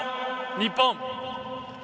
日本